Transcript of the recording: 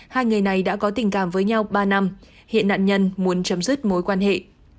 hai người này đã có tình cảm với nhau ba năm hiện nạn nhân muốn chấm dứt mối quan hệ